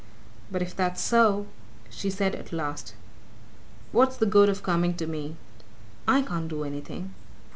"But if that's so," she said at last, "what's the good of coming to me? I can't do anything!"